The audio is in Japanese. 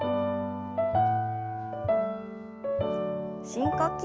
深呼吸。